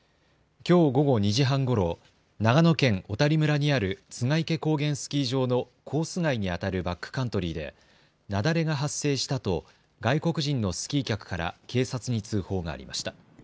きょう午後２時半ごろ、長野県小谷村にある栂池高原スキー場のコース外にあたるバックカントリーで雪崩が発生したと外国人のスキー客から警察に通報がありました。